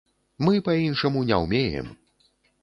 Мы па-іншаму не ўмеем!